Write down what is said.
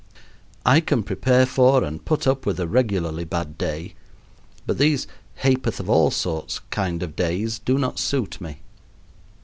I can prepare for and put up with a regularly bad day, but these ha'porth of all sorts kind of days do not suit me.